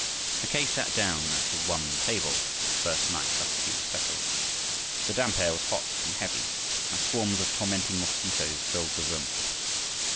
Mackay sat down at his one table, the first night after he was settled. The damp air was hot and heavy, and swarms of tormenting mosquitoes filled the room.